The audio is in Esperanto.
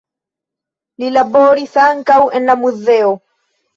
Li laboris ankaŭ en la muzeo.